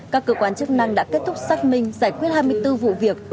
các cơ quan chức năng đã kết thúc xác minh giải quyết hai mươi bốn vụ việc